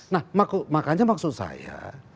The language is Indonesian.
nah makanya maksud saya